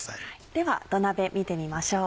では土鍋見てみましょう。